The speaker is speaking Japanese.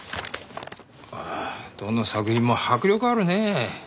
ああどの作品も迫力あるねえ。